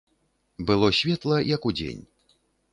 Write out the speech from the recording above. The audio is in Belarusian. Было светла, як удзень.